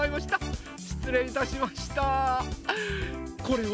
しつれいいたしました！